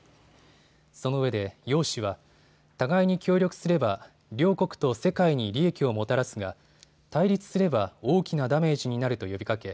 そのうえで楊氏は互いに協力すれば両国と世界に利益をもたらすが対立すれば大きなダメージになると呼びかけ